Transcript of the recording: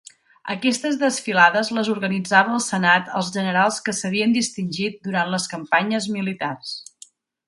Aquestes desfilades les organitzava el Senat als generals que s'havien distingit durant les campanyes militars.